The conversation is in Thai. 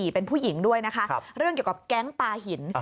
เป็นผู้หญิงด้วยนะคะเรื่องเกี่ยวกับแก๊งปลาหิน